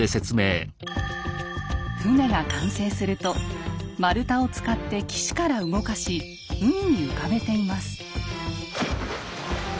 船が完成すると丸太を使って岸から動かし海に浮かべています。